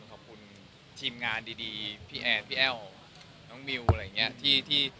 ขอบคุณทีมงานดีพี่แอนพี่แอ้วน้องมิวอะไรอย่างนี้